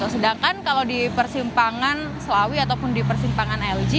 sedangkan kalau di persimpangan selawi ataupun di persimpangan lg